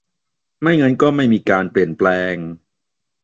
ไม่งั้นก็ไม่มีการเปลี่ยนแปลง